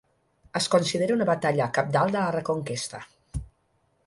Es considera una batalla cabdal de la Reconquesta.